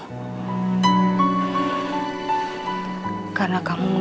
yang saja bershovot kandung victor